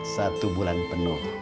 satu bulan penuh